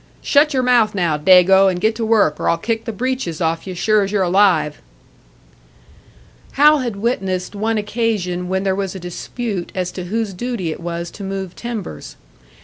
Shut your mouth, now, Dago, and get to work, or I'll kick the breeches off you, sure as you're alive!" Hal had witnessed one occasion when there was a dispute as to whose duty it was to move timbers.